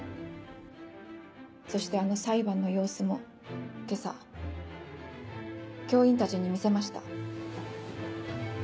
そしてあの裁判の様子も今朝教員たちに見せました。